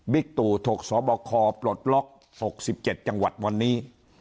ตู่ถกสบคปลดล็อก๖๗จังหวัดวันนี้